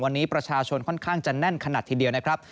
วันนี้ประชาชนค่อนข้างจะแน่นขนาดทีเดียวนะครับ